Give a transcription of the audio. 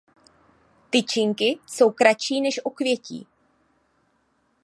Tyčinky jsou kratší než okvětí.